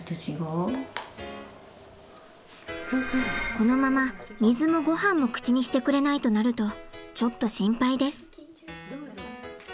このまま水もごはんも口にしてくれないとなるとちょっと心配です。